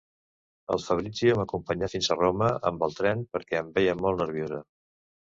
El Fabrizio m'acompanyà fins a Roma amb el tren, perquè em veia molt nerviosa.